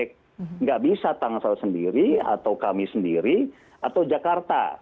tidak bisa tangsel sendiri atau kami sendiri atau jakarta